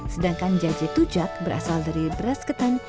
sedangkan jajetujak berasal dari beras ketan